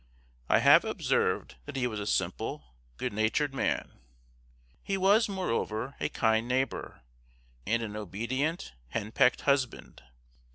I have observed that he was a simple, good natured man; he was, moreover, a kind neighbor, and an obedient henpecked husband.